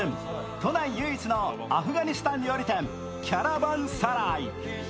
都内唯一のアフガニスタン料理店、キャラヴァン・サライ。